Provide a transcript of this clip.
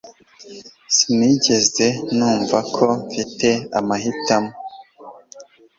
Sinigeze numva ko mfite amahitamo